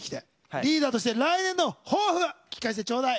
リーダーとして来年の抱負聞かせてちょうだい！